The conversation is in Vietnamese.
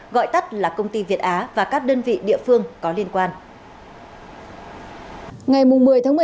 gọi tắt là công ty việt á và các đơn vị địa phương có liên quan